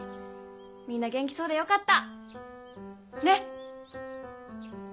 みんな元気そうでよかったねっ。